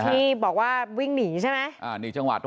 ที่บอกว่าวิ่งหนีใช่ไหม